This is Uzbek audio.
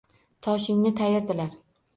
Toshingni tayirdilar